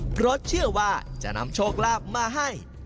เพราะเชื่อว่าจะนำโชคลาภมาให้